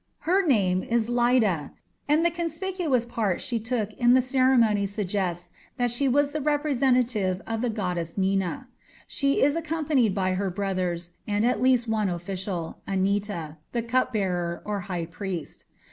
Her name is Lida, and the conspicuous part she took in the ceremony suggests that she was the representative of the goddess Nina. She is accompanied by her brothers, and at least one official, Anita, the cup bearer, or high priest.